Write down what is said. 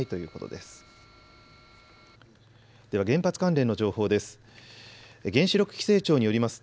では原発関連の情報です。